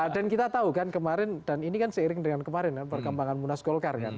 dan kita tahu kan kemarin dan ini kan seiring dengan kemarin ya perkembangan munas golkar kan